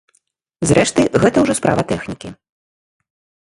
Зрэшты, гэта ўжо справа тэхнікі.